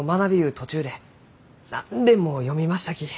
途中で何べんも読みましたき。